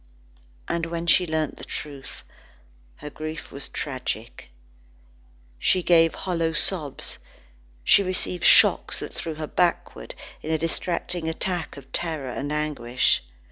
And when she learnt the truth, her grief was tragic. She gave hollow sobs, she received shocks that threw her backward, in a distracting attack of terror and anguish.